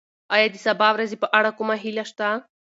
ایا د سبا ورځې په اړه کومه هیله شته؟